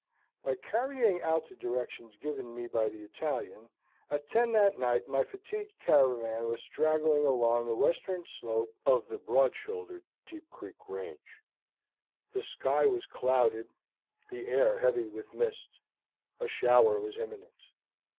By carrying out the directions given me by the Italian, at ten that night my fatigued caravan was straggling along the western slope of the broad shouldered Deep Creek range. The sky was clouded, the air heavy with mist; a shower was imminent.